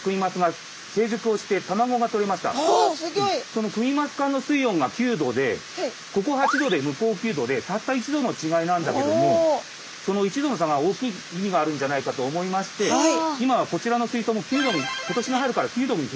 そのクニマス館の水温が９℃でここ８℃で向こう９℃でたった１℃の違いなんだけどもその１℃の差が大きい意味があるんじゃないかと思いまして今はこちらの水槽も９℃に今年の春から９℃に。